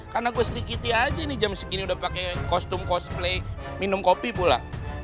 karena gue serikiti aja nih jam segini udah pakai kostum cosplay minum kopi pula